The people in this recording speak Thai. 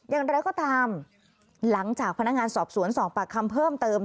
อย่างไรก็ตามหลังจากพนักงานสอบสวนสอบปากคำเพิ่มเติม